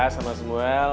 salute ya samuel